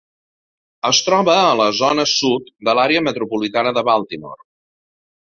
Es troba a la zona sud de l'àrea metropolitana de Baltimore.